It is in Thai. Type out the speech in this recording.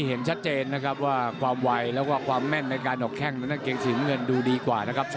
เห็นชัดเจนนะครับว่าความไวแล้วก็ความแม่นในการออกแข้งนั้นเกงสีน้ำเงินดูดีกว่านะครับ